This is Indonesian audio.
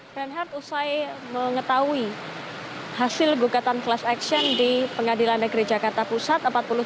renhardt usai mengetahui hasil gugatan kelas aksen di pengadilan negeri jakarta pusat